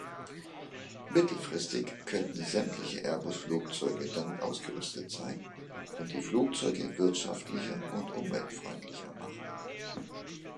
Mittelfristig könnten sämtliche Airbus-Flugzeuge damit ausgerüstet sein und die Flugzeuge wirtschaftlicher und umweltfreundlicher machen.